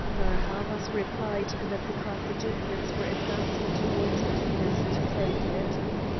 Narr' Havas replied that the Carthaginians were advancing towards Tunis to take it.